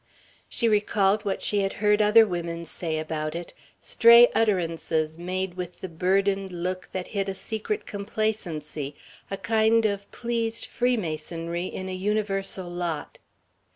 She recalled what she had heard other women say about it, stray utterances, made with the burdened look that hid a secret complacency, a kind of pleased freemasonry in a universal lot.